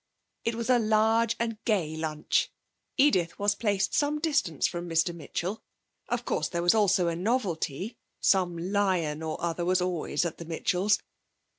It was a large and gay lunch. Edith was placed some distance from Mr Mitchell. Of course there was also a novelty some lion or other was always at the Mitchells'.